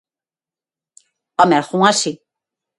¡Home!, algunha si.